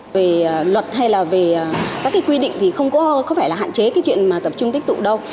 về luật hay là về các cái quy định thì không phải là hạn chế cái chuyện mà tập trung tích tụ đâu